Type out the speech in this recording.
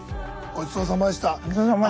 ごちそうさまでした。